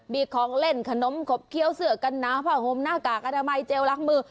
มีของเล่นขนมขบเคี้ยวเสือกันหนาวผ้าห่มหน้ากากอนามัยเจลล้างมือ